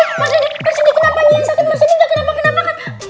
mas randy enggak kenapa kenapa kan